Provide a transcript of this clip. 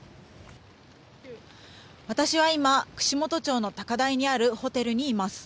私は今、串本町の高台にあるホテルにいます。